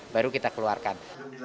baru kita keluarkan